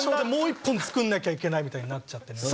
もう一本作んなきゃいけないみたいになっちゃって。